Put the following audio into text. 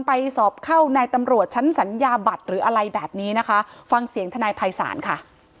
ไปสอบเข้าในตำรวจชั้นสัญญาบัตรหรืออะไรแบบนี้นะคะฟังเสียงทนายภัยศาลค่ะ